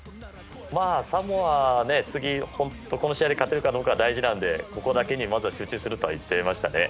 サモア、次この試合で勝てるかどうかが大事なのでここだけに集中すると言っていましたね。